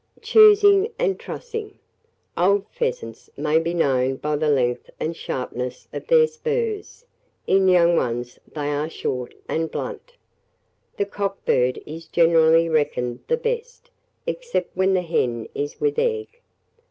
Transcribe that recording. Choosing and Trussing. Old pheasants may be known by the length and sharpness of their spurs; in young ones they are short and blunt. The cock bird is generally reckoned the best, except when the hen is with egg.